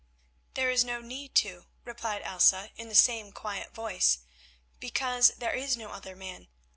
"There is no need to," replied Elsa in the same quiet voice, "because there is no other man.